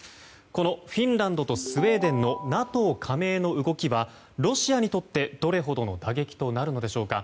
このフィンランドとスウェーデンのＮＡＴＯ加盟の動きはロシアにとってどれほどの打撃となるのでしょうか。